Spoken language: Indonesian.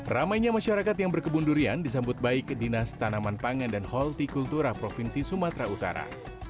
ramainya masyarakat yang berkebun durian disambut baik ke dinas tanaman pangan dan holti kultura provinsi sumatera utara